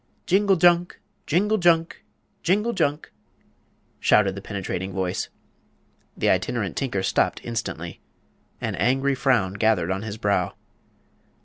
"Jingle junk! jingle junk! jingle junk!" shouted the penetrating voice. The Itinerant Tinker stopped instantly. An angry frown gathered on his brow.